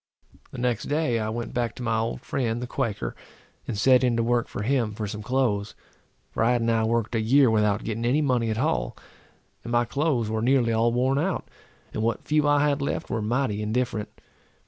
The next day, I went back to my old friend, the Quaker, and set in to work for him for some clothes; for I had now worked a year without getting any money at all, and my clothes were nearly all worn out, and what few I had left were mighty indifferent.